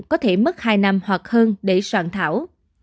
có thể mất hai năm hoặc hơn để soạn thảo